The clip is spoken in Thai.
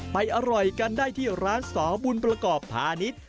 อร่อยกันได้ที่ร้านสอบุญประกอบพาณิชย์